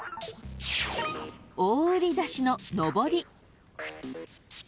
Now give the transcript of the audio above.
［「大売出し」ののぼり］